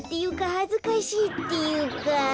はずかしいっていうか。